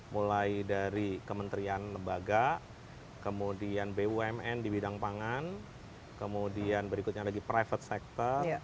mulai dari kementerian lembaga kemudian bumn di bidang pangan kemudian berikutnya lagi private sector